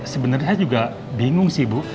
sebenarnya juga bingung sih ibu